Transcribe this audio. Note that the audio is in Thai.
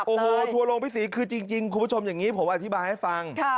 โอ้โหทัวร์ลงพี่ศรีคือจริงคุณผู้ชมอย่างนี้ผมอธิบายให้ฟัง